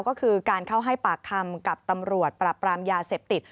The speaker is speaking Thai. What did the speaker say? ก็คือการเข้าให้ปากคำกับตำรวจปราบปรามยาเสพติด